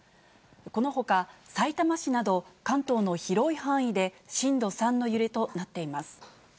このほか、さいたま市など関東の広い範囲で震度３の揺れとなっています。